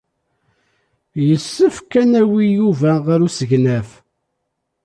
Yessefk ad nawi Yuba ɣer usegnaf.